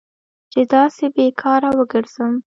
چې داسې بې کاره وګرځم.